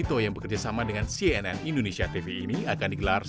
saya berpindah ke rumah yang lebih besar